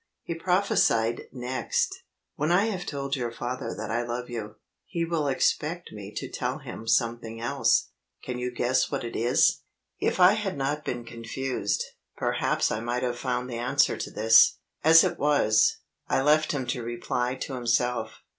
He prophesied next: "When I have told your father that I love you, he will expect me to tell him something else. Can you guess what it is?" If I had not been confused, perhaps I might have found the answer to this. As it was, I left him to reply to himself.